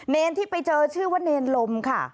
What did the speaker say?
เนรที่ไปเจอชื่อว่าเนรลมค่ะ